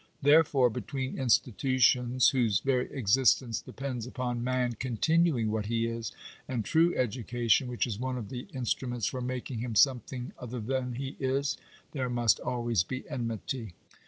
Therefore, between institutions whose very existence depends upon man continuing what he is, and true education, which is one of the instruments for making him something other than he is, there must always be enmity.